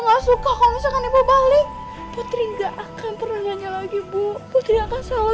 nggak suka kalau misalkan ibu balik putri enggak akan pernah nyanyi lagi bu putri akan selalu